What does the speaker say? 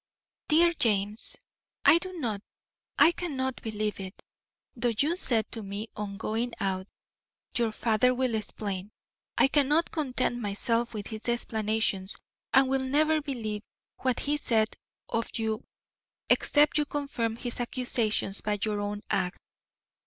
DEAR JAMES: I do not, I cannot, believe it. Though you said to me on going out, "Your father will explain," I cannot content myself with his explanations and will never believe what he said of you except you confirm his accusations by your own act.